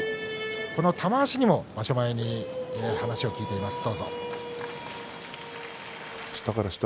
玉鷲にも場所前に話を聞いています。